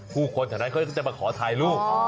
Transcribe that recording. ผู้คนเท่านั้นเขาจะมาขอถ่ายรูป